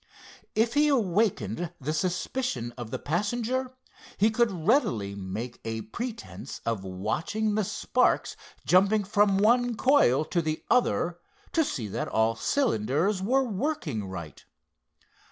If he awakened the suspicion of the passenger, he could readily make a pretence of watching the sparks jumping from one coil to the other, to see that all the cylinders were working right.